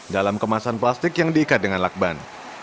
dalam kemasan plastik yang diikat dengan lakban